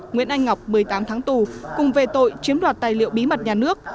nguyễn anh ngọc một mươi tám tháng tù cùng về tội chiếm đoạt tài liệu bí mật nhà nước